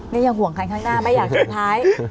นี่ยังห่วงกันข้างหน้าไม่อยากทิ้งท้าย